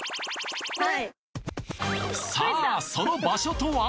さあその場所とは？